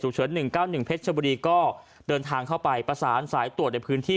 ศูนย์หนึ่งเก้าหนึ่งเพชรบุรีก็เดินทางเข้าไปประสานสายตรวจในพื้นที่